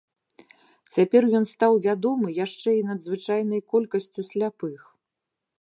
Цяпер ён стаў вядомы яшчэ і надзвычайнай колькасцю сляпых.